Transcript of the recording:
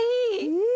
うん！